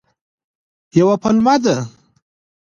یوه پلمه ده.